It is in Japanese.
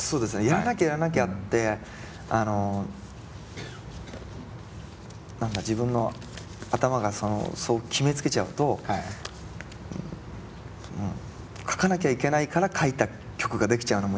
「やらなきゃやらなきゃ」って自分の頭がそう決めつけちゃうと書かなきゃいけないから書いた曲が出来ちゃうのも嫌なので。